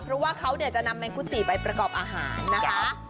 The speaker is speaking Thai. เพราะว่าเขาจะนำแมงกุจิไปประกอบอาหารนะคะ